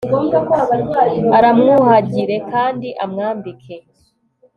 aramwuhagire kandi amwambike